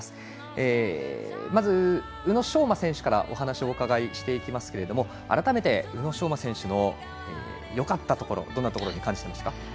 まず、宇野昌磨選手からお話をお伺いしますけども改めて、宇野昌磨選手のよかったところはどんなところだと感じていますか。